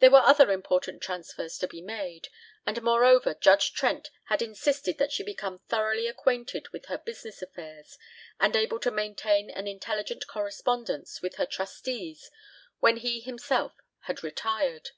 There were other important transfers to be made, and moreover Judge Trent had insisted that she become thoroughly acquainted with her business affairs and able to maintain an intelligent correspondence with her trustees when he himself had retired.